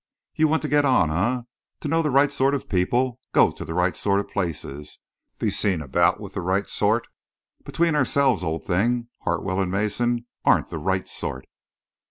You want to get on, eh, to know the right sort of people, go to the right sort of places, be seen about with the right sort? Between ourselves, old thing, Hartwell and Mason aren't the right sort.